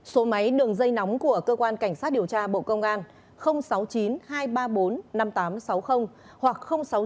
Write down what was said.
số máy đường dây nóng của cơ quan cảnh sát điều tra bộ công an sáu mươi chín hai trăm ba mươi bốn năm nghìn tám trăm sáu mươi hoặc sáu mươi chín hai trăm ba mươi hai một nghìn sáu trăm sáu mươi